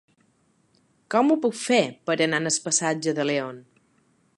Com ho puc fer per anar al passatge de León?